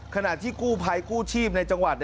ขนาดที่กู้ไพพร์กู้ชีพในจังหวัด